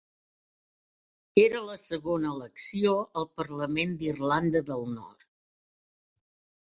Era la segona elecció al Parlament d'Irlanda del Nord.